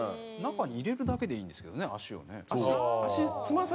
中に入れるだけでいいんですけどね足をね。